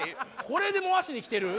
これでもう足にきてる？